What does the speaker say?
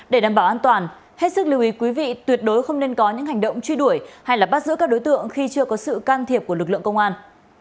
để đảm bảo an toàn hết sức lưu ý quý vị tuyệt đối không nên có những hành động truy đuổi hay bắt giữ các đối tượng khi chưa có sự can thiệp của lực lượng công an